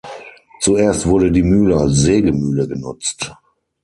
Zuerst wurde die Mühle als Sägemühle genutzt.